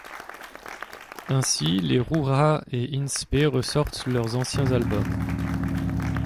Ainsi les Ruja et In Spe ressortent leurs anciens albums.